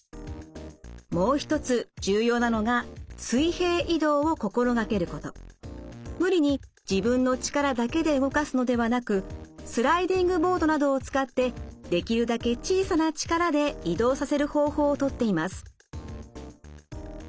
もう一つ重要なのが無理に自分の力だけで動かすのではなくスライディングボードなどを使ってできるだけ小さな力で移動させる方法をとっています。